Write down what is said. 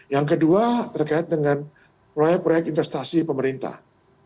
yang kedua terkait dengan proyek proyek investasi pemerintah